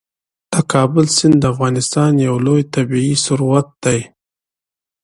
د کابل سیند د افغانستان یو لوی طبعي ثروت دی.